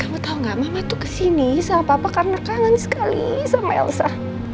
aku tahu gak mama tuh kesini sama papa karena kangen sekali sama elsa